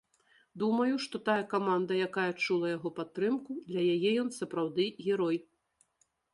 Думаю, што тая каманда, якая адчула яго падтрымку, для яе ён сапраўды герой.